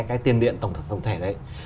cái tiền điện tổng thể đấy